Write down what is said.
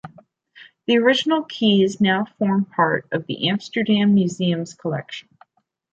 The original keys now form part of the Amsterdam Museum’s collection.